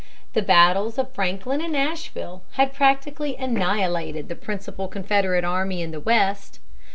The battles of Franklin and Nashville had practically annihilated the principal Confederate army in the West.